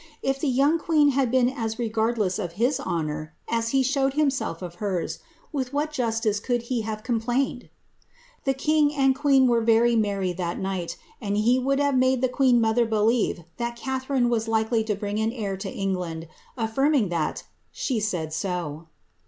If the young queen had been as regardless of his honour as he showed him self of hers, with what justice could he have complained ?^ The king and queen were very merry that night ; and he would have made the queen mother believe that Catharine was likely to bring an heir to Eng land, affirming, that ^ she said so.'